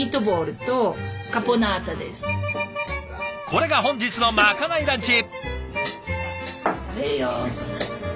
これが本日のまかないランチ。